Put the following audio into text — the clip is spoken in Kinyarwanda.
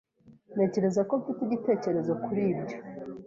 Ntekereza ko mfite igitekerezo kuri ibyo.